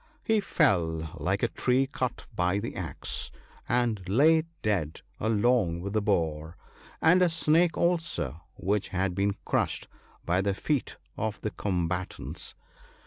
He fell like a tree cut by the axe, and lay dead along with the boar, and a snake also, which had been crushed by the feet of the combatants.